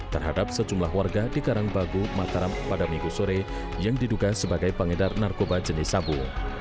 terhadap sejumlah warga di karangbagu mataram pada minggu sore yang diduga sebagai pengedar narkoba jenis sabu